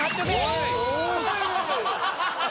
おい！